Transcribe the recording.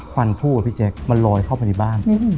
ควันทู่พี่แจ๊คมันลอยเข้าไปในบ้าน